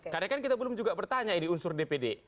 karena kan kita belum juga bertanya ini unsur dpd